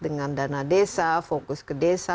dengan dana desa fokus ke desa